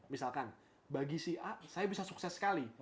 misalkan bagi si a saya bisa sukses sekali